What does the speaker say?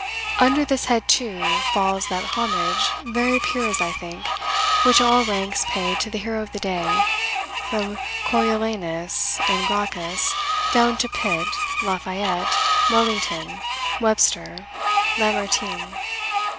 Under this head, too, falls that homage, very pure, as I think, which all ranks pay to the hero of the day, from Coriolanus and Gracchus, down to Pitt, Lafayette, Wellington, Webster, Lamartine.